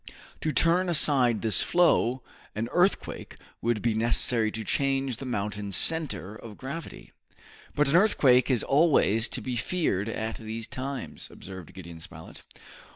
To turn aside this flow, an earthquake would be necessary to change the mountain's center of gravity." "But an earthquake is always to be feared at these times," observed Gideon Spilett.